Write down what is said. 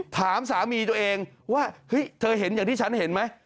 ถามสามีตัวเองว่าเฮ้ยเธอเห็นอย่างที่ฉันเห็นไหม